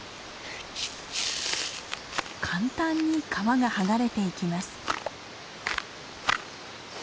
簡単に皮が剥がれていきます。